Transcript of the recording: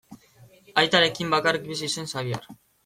Aitarekin bakarrik bizi zen Xabier.